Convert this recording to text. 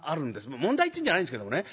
問題っていうんじゃないんですけどもね。